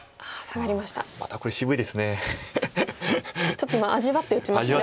ちょっと味わって打ちましたね